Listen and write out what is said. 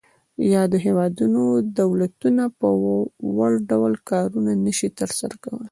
د یادو هیوادونو دولتونه په وړ ډول کارونه نشي تر سره کولای.